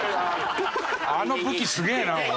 あの武器すげえなおい。